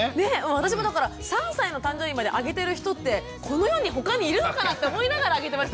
私もだから３歳の誕生日まであげてる人ってこの世に他にいるのかな？って思いながらあげてましたから。